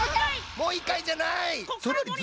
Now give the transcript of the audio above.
もういっかいじゃない！